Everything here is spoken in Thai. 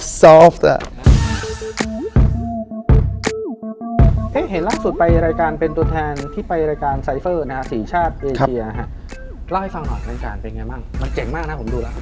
เล่าให้ฟังหน่อยการการเป็นยังไงบ้างมันเจ๋งมากนะผมดูแล้ว